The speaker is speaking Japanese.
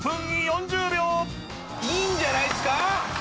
いいんじゃないっすか